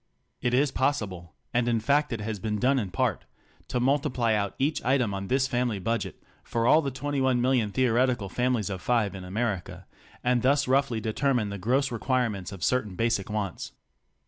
It is possible — and in fact it has been done in part — to multi ply out each item on this family budget for all the 21 million theoretical families of five in America, and thus roughly de termine the gross requirements of certain basic wants.